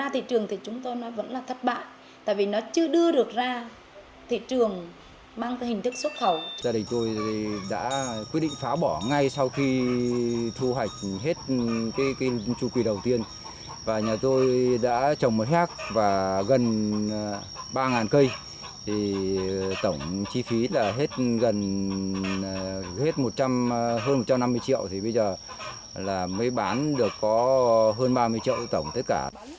tổng chi phí là hơn một trăm năm mươi triệu thì bây giờ mới bán được hơn ba mươi triệu tổng tất cả